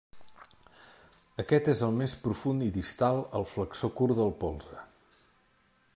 Aquest és el més profund i distal al flexor curt del polze.